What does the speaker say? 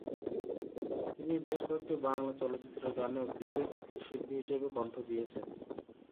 তিনি বেশ কয়েকটি বাংলা চলচ্চিত্রের গানেও প্লেব্যাক শিল্পী হিসেবে কণ্ঠ দিয়েছেন।